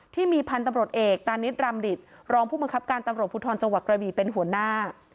ที่มีพันธุ์ตำรวจเอกตานิดรำดิตรองผู้บังคับการตำรวจภูทรจังหวัดกระบีเป็นหัวหน้า